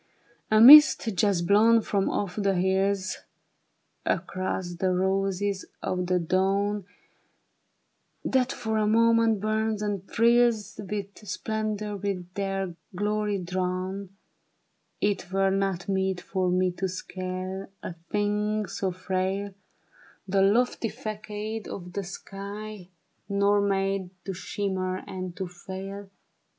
" A mist just blown from off the hills Across the roses of the dawn. That for a moment burns and thrills, With splendor from their glory drawn ; It were not meet for me to scale — A thing so frail — The lofty fagade of the sky, Nor made to shimmer and to fail.